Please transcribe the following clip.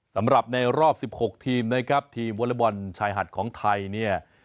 สำหรับในรอบ๑๖ทีมนะครับทีมวอเล็กบอลชายหัดของไทยเนี่ย